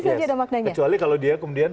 saja ada maknanya kecuali kalau dia kemudian